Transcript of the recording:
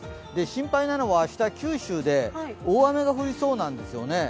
心配なのは明日、九州で大雨が降りそうなんですよね。